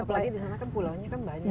apalagi di sana kan pulau nya kan banyak